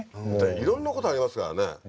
いろんなことありますからね。